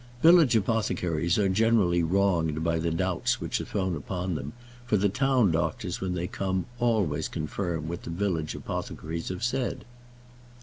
Village apothecaries are generally wronged by the doubts which are thrown upon them, for the town doctors when they come always confirm what the village apothecaries have said.